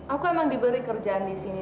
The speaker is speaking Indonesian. aku emang diberi kerjaan di sini